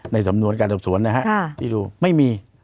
สำนวนการสอบสวนนะฮะที่ดูไม่มี